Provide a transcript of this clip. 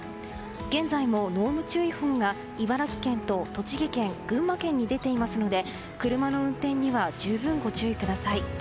現在も濃霧注意報が茨城県と栃木県、群馬県に出ていますので車の運転には十分ご注意ください。